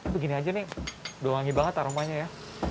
begini aja nih udah wangi banget aromanya ya